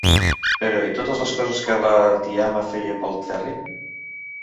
Però, i totes les coses que la tiama feia pel Ferri?